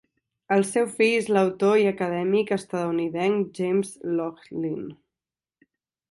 El seu fill és l'autor i acadèmic estatunidenc James Loehlin.